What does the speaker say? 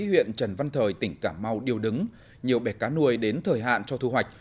huyện trần văn thời tỉnh cà mau điều đứng nhiều bẻ cá nuôi đến thời hạn cho thu hoạch